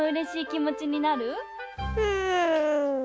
うん。